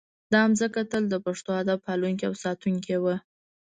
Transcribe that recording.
دا ځمکه تل د پښتو ادب پالونکې او ساتونکې وه